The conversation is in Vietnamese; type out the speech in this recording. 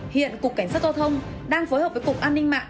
hiện cục cảnh sát giao thông đang phối hợp với cục an ninh mạng